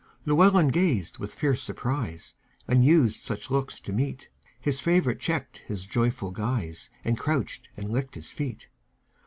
Llewelyn gazed with fierce surprise; Unused such looks to meet, His favorite checked his joyful guise, And crouched and licked his feet.